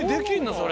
それ。